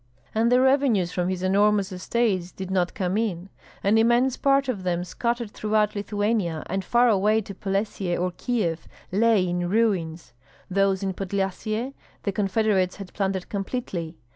And the revenues from his enormous estates did not come in. An immense part of them, scattered throughout Lithuania and far away to Polesie or Kieff, lay in ruins; those in Podlyasye the confederates had plundered completely.